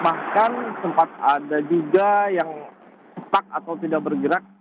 ada juga yang tetap atau tidak bergerak